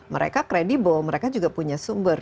mereka kredibel mereka juga punya sumber